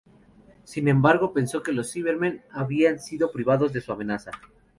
Sin embargo, pensó que los Cybermen habían sido privados de su amenaza.